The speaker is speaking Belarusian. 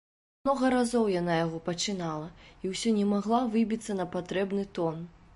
Многа разоў яна яго пачынала і ўсё не магла выбіцца на патрэбны тон.